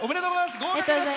合格です。